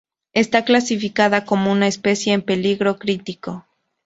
Está clasificada como una especie en peligro crítico.